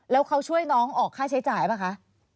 แล้วเขาช่วยน้องออกค่าใช้จ่ายป่ะคะ